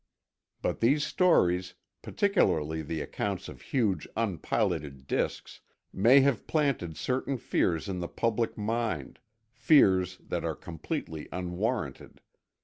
But these stories, particularly the accounts of huge unpiloted disks, may have planted certain fears in the public mind fears that are completely unwarranted.